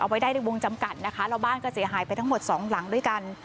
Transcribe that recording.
ไว้ได้ในวงจำกัดนะคะแล้วบ้านก็เสียหายไปทั้งหมดสองหลังด้วยกัน